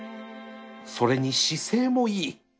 それに姿勢もいい